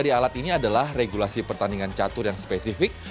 tiga alat ini adalah regulasi pertandingan catur yang spesifik